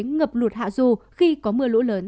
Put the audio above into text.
ngập lụt hạ ru khi có mưa lũ lớn